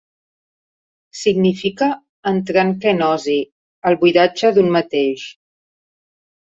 Significa entrar en kenosi: el buidatge d'un mateix.